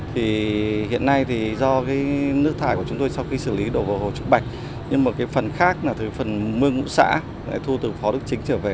hiện nay do nước thải của chúng tôi sau khi xử lý đổ vào hồ trúc bạch nhưng mà phần khác là phần mương ngũ xã thu từ phó đức chính trở về